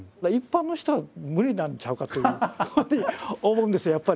一般の人は無理なんちゃうかというふうに思うんですよ